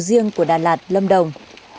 riêng của đà lạt lâm đồng